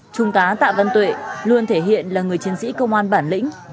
trung tá tạ văn tuệ luôn thể hiện là người chiến sĩ công an bản lĩnh